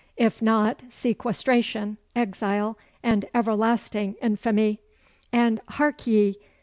If not, sequestration, exile, and everlasting infamy. And, hark ye!